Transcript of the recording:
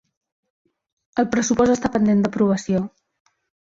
El pressupost està pendent d'aprovació